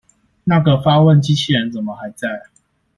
那個發問機器人怎麼還在阿